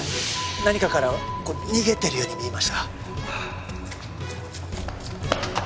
何かからこう逃げてるように見えました。